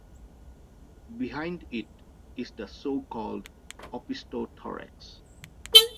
Behind it is the so-called opistothorax.